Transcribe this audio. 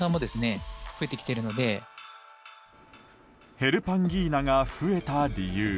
ヘルパンギーナが増えた理由。